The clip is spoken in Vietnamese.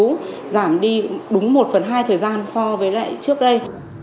hồ sơ tạm trú giảm đi đúng một phần hai thời gian so với lại trước đây